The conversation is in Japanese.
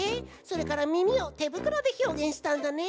それからみみをてぶくろでひょうげんしたんだね。